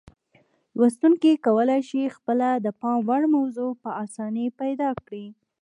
لوستونکي کولای شي خپله د پام وړ موضوع په اسانۍ پیدا کړي.